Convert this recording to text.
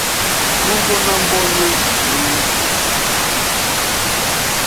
Nubwo nambonye rimwe gusa